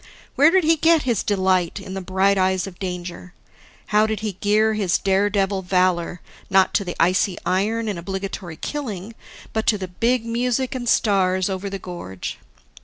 Where did he get his delight in the bright eyes of danger? How did he gear his daredevil valor, not to the icy iron and obligatory killing, but to the big music and stars over the gorge?